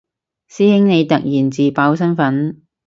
師兄你突然自爆身份